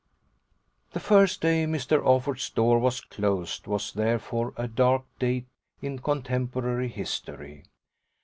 The first day Mr Offord's door was closed was therefore a dark date in contemporary history.